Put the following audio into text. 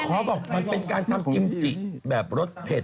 บอกมันเป็นการทำกิมจิแบบรสเผ็ด